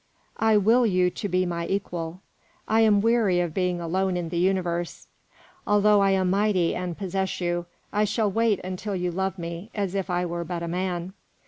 "I will you to be my equal. I am weary of being alone in the universe. Although I am almighty and possess you, I shall wait until you love me as if I were but a man.